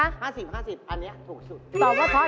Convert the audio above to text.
อันนี้ถูกสุด